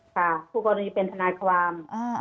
ค่ะคู่กรณีเป็นทนายความ